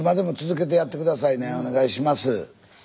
お願いします。